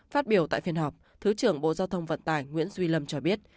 phát biểu tại phiên họp thứ trưởng bộ giao thông vận tải nguyễn duy lâm cho biết